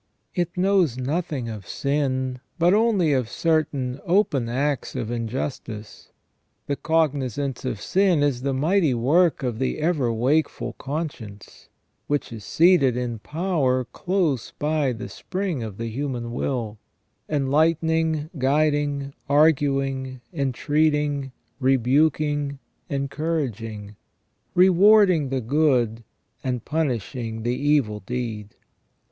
It knows nothing of sin, but only of certain open acts of injustice. The cognizance of sin is the mighty work of the ever wakeful conscience, which is seated in power close by the spring of the human will; enlightening, guiding, arguing, entreating, rebuking, encouraging; rewarding the good, and punishing the evil deed.